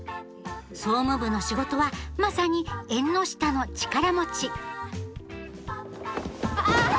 総務部の仕事はまさに縁の下の力持ちあ！